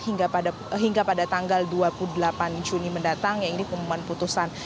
hingga pada hingga pada tanggal dua puluh delapan juni mendatang yang ini pengumuman putusan